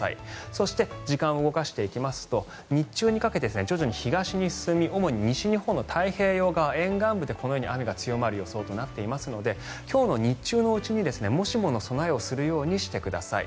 そして時間を動かしていくと日中にかけて徐々に東に進み主に西日本の太平洋側でこのように雨が強まる予想となっていますので今日の日中のうちにもしもの備えをするようにしてください。